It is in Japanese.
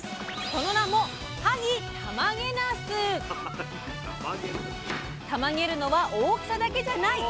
その名もたまげるのは大きさだけじゃない！